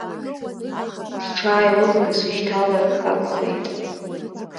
Сҽааилыхны сышьҭалар акәхеит.